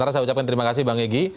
terima kasih bang egy